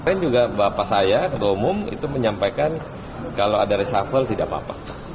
dan juga bapak saya ketua umum itu menyampaikan kalau ada resafel tidak apa apa